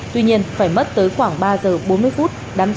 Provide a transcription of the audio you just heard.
tuy nhiên phải mất tới khoảng ba giờ bốn mươi phút đám cháy mới được dập tắt